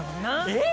えっ？